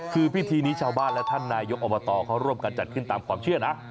คือพิธีนี้ชาวบ้านและท่านนายกอบตเขาร่วมกันจัดขึ้นตามความเชื่อนะ